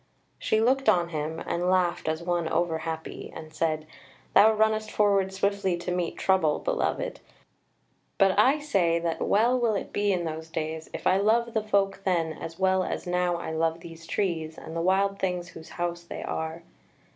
She looked on him and laughed as one over happy, and said: "Thou runnest forward swiftly to meet trouble, beloved! But I say that well will it be in those days if I love the folk then as well as now I love these trees and the wild things whose house they are."